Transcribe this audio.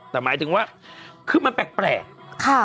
แต่หมายถึงว่าคือมันแปลกค่ะ